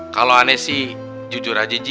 kalau saya sih jujur aja ji